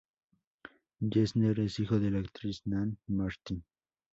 Gesner es hijo de la actriz Nan Martin.